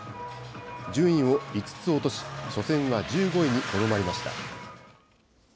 順位を５つ落とし、初戦は１５位にとどまりました。